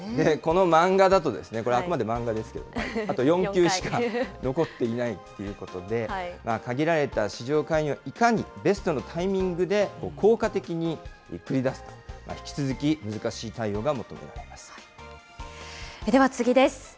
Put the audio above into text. この漫画だと、これ、あくまで漫画ですけど、あと４球しか残っていないということで、限られた市場介入をいかにベストのタイミングで、効果的に繰り出すか、引き続き難しい対応が求められまでは次です。